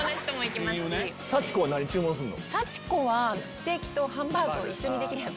サチコは何注文すんの？